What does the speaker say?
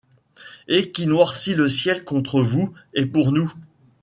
Et qui noircit le ciel contre vous, et pour nous !